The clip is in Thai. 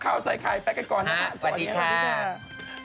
เอ้าสวัสดีบ๊ายบายสวัสดีครับ